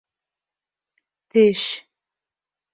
Теш...